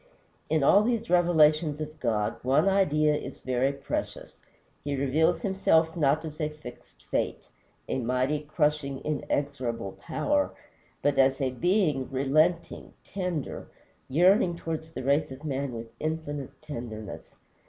In all these revelations of God, one idea is very precious. He reveals himself not as a fixed Fate a mighty, crushing, inexorable Power but as a Being relenting, tender, yearning towards the race of man with infinite tenderness.